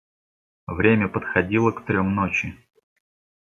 Время подходило к трем ночи.